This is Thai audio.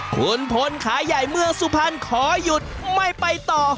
คุณพลขาใหญ่เมืองสุพรรณขอหยุดไม่ไปต่อ